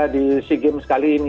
di sea games kali ini